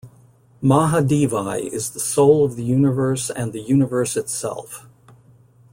Mahadevi is the soul of the universe and the universe itself.